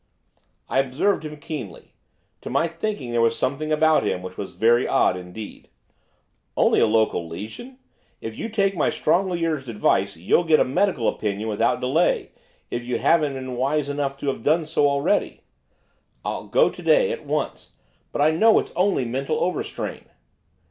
I observed him keenly; to my thinking there was something about him which was very odd indeed. 'Only a local lesion! If you take my strongly urged advice you'll get a medical opinion without delay, if you haven't been wise enough to have done so already.' 'I'll go to day; at once; but I know it's only mental overstrain.